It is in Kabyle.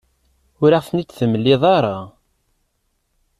Ur aɣ-ten-id-temliḍ ara.